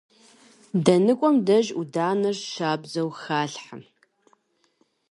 ДэныкӀуэм деж Ӏуданэр щабэу халъхьэ.